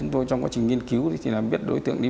trong quá trình nghiên cứu thì biết đối tượng đi